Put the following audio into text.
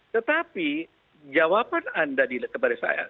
tetapi jawaban anda kepada saya